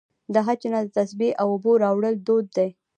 د حج نه د تسبیح او اوبو راوړل دود دی.